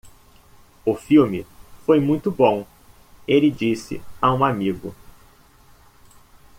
O filme foi muito bom, ele disse a um amigo.